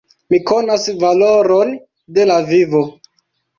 Mi konas valoron de la vivo!